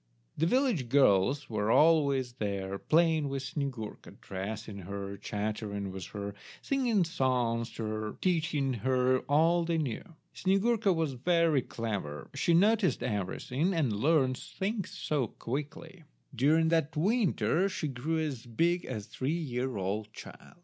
The village girls were always there playing with Snyegurka, dressing her, chattering with her, singing songs to her, teaching her all they knew. Snyegurka was very clever; she noticed everything, and learnt things quickly. During that winter she grew as big as a three year old child.